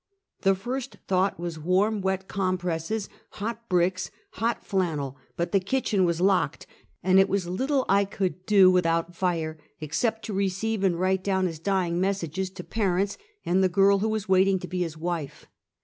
The first thought was warm, wet compresses, hot bricks, hot flannel; but the kitchen was locked, and it was little I could do without fire, except to receive and write down his dying messages to parents, and the girl who was wait ing to be his wife.